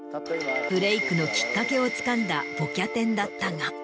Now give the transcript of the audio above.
ブレイクのきっかけをつかんだ『ボキャ天』だったが。